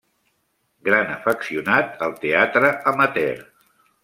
Gran afeccionat al teatre amateur.